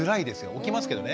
起きますけどね。